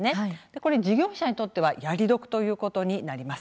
これは事業者にとっては「やり得」ということになります。